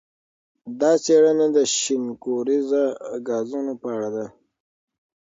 دا څېړنه د شین کوریزه ګازونو په اړه ده.